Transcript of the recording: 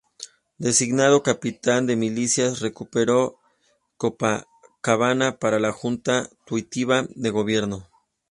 Designado capitán de milicias, recuperó Copacabana para la Junta Tuitiva de gobierno.